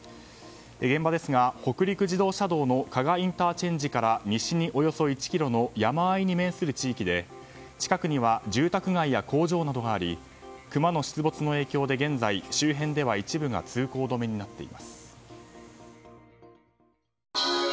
現場ですが、北陸自動車道の加賀ＩＣから西におよそ１ｋｍの山あいに面する地域で近くには住宅街や工場などがありクマの出没の影響で現在、周辺では一部が通行止めになっています。